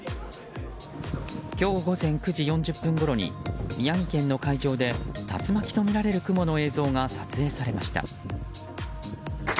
今日午前９時４０分ごろに宮城県の海上で竜巻とみられる雲の映像が撮影されました。